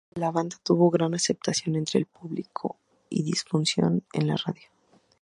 La banda tuvo gran aceptación entre el público y difusión en la radio.